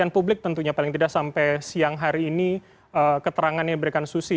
pada publik tentunya paling tidak sampai siang hari ini keterangannya diberikan susi